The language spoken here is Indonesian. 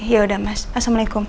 yaudah mas assalamualaikum